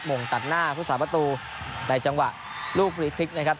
งงตัดหน้าผู้สาประตูในจังหวะลูกฟรีคลิกนะครับ